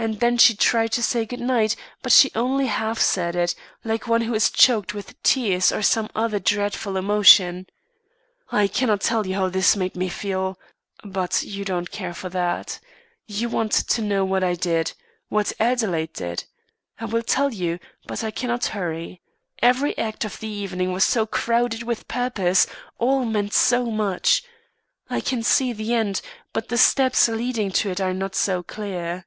And then she tried to say good night, but she only half said it, like one who is choked with tears or some other dreadful emotion. I cannot tell you how this made me feel but you don't care for that. You want to know what I did what Adelaide did. I will tell you, but I cannot hurry. Every act of the evening was so crowded with purpose; all meant so much. I can see the end, but the steps leading to it are not so clear."